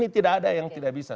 tidak ada yang tidak bisa